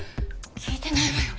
聞いてないわよ。